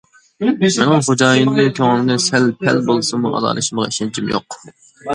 مېنىڭ خوجايىننىڭ كۆڭلىنى سەل-پەل بولسىمۇ ئالالىشىمغا ئىشەنچىم يوق.